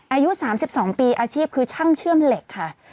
อายุ๓๒ปีอาชีพคือช่างเชื่อมเหล็กค่ะ